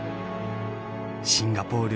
シンガポール